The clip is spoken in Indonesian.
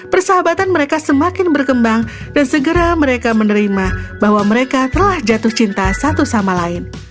persahabatan mereka semakin berkembang dan segera mereka menerima bahwa mereka telah jatuh cinta satu sama lain